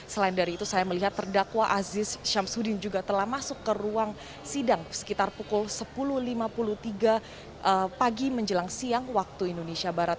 selain dari itu saya melihat terdakwa aziz syamsuddin juga telah masuk ke ruang sidang sekitar pukul sepuluh lima puluh tiga pagi menjelang siang waktu indonesia barat